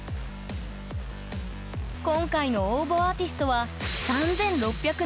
今回の応募アーティストは３，６７４組。